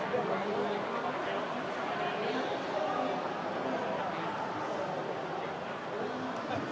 สวัสดีครับ